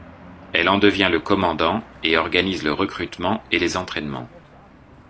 Elle en devient le commandant et organise le recrutement et les entraînements.